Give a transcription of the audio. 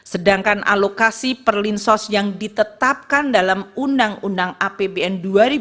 sedangkan alokasi perlinsos yang ditetapkan dalam undang undang apbn dua ribu dua puluh